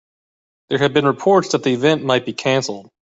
There have been reports the event might be canceled.